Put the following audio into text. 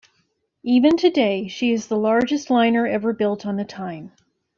Even today, she is the largest liner ever built on the Tyne.